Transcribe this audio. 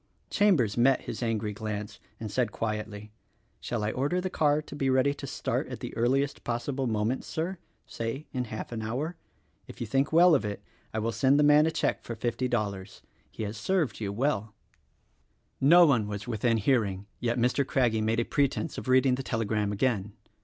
Chambers met his angry glance and said quietly, "Shall I order the car to be ready to start at the earliest possible moment, Sir — say in half an hour? If you think well of it I will send the man a check for fifty dollars; he has served you well." 92 THE RECORDING ANGEL No one was within hearing, yet Mr. Craggie made a pre tense of reading the telegram again.